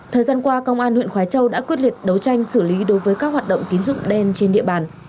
thời gian qua công an huyện khói châu đã quyết liệt đấu tranh xử lý đối với các hoạt động tín dụng đen trên địa bàn